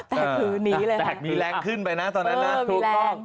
แต่คือหนีเลยนะแตกมีแรงขึ้นไปนะตอนนั้นนะถูกต้อง